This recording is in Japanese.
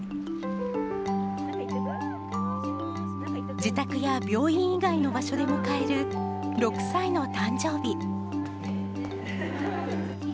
自宅や病院以外の場所で迎える６歳の誕生日。